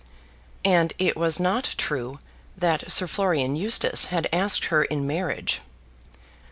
And it was not true that Sir Florian Eustace had asked her in marriage.